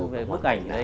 về bức ảnh đấy